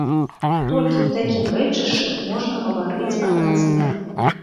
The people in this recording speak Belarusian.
Толькі ў такім рэчышчы можна гаварыць аб адзіным.